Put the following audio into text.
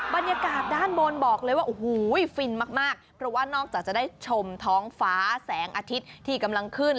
บรรยากาศด้านบนบอกเลยว่าโอ้โหฟินมากเพราะว่านอกจากจะได้ชมท้องฟ้าแสงอาทิตย์ที่กำลังขึ้น